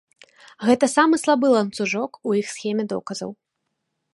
Гэта самы слабы ланцужок у іх схеме доказаў.